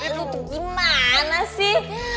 eh lu tuh gimana sih